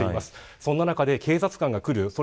そんな中で警察官が来る。